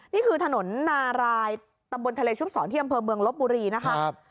นี่คือถนนนารายตำบลทะเลชุบศรที่อำเภอเมืองลบบุรีนะคะ